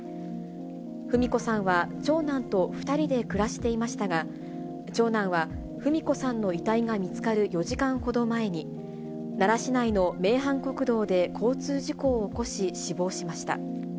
二三子さんは長男と２人で暮らしていましたが、長男は二三子さんの遺体が見つかる４時間ほど前に、奈良市内の名阪国道で交通事故を起こし、死亡しました。